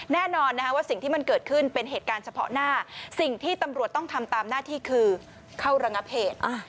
แน่นอนว่าสิ่งที่มันเกิดขึ้นเป็นเหตุการณ์เฉพาะหน้าสิ่งที่ตำรวจต้องทำตามหน้าที่คือเข้าระงับเหตุ